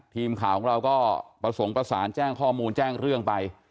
ทีมข่าวของเราก็ประสงค์ประสานแจ้งข้อมูลแจ้งเรื่องไป